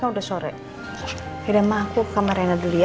udah sore tidak mau aku kemarin dulu ya